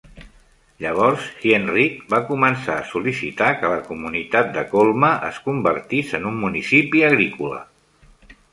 Llavors Hienrich va començar a sol·licitar que la comunitat de Colma es convertís en un municipi agrícola.